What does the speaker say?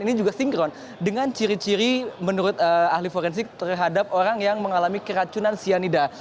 ini juga sinkron dengan ciri ciri menurut ahli forensik terhadap orang yang mengalami keracunan cyanida